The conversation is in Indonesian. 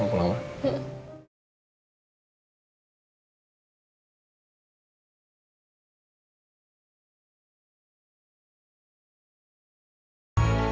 al din mama sama rena pulang dulu ya